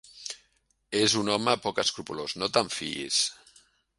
És un home poc escrupolós: no te'n fiïs.